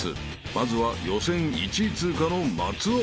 まずは予選１位通過の松尾］